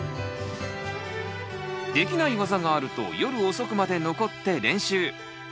できない技があると夜遅くまで残って練習。